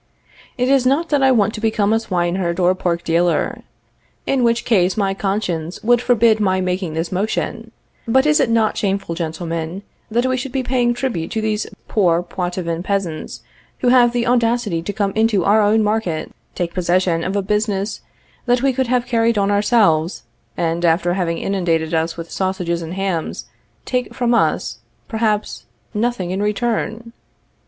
It is not that I want to become a swineherd or pork dealer, in which case my conscience would forbid my making this motion; but is it not shameful, gentlemen, that we should be paying tribute to these poor Poitevin peasants who have the audacity to come into our own market, take possession of a business that we could have carried on ourselves, and, after having inundated us with sausages and hams, take from us, perhaps, nothing in return?